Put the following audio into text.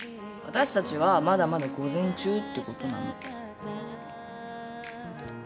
私たちはまだまだ午前中ってことなの。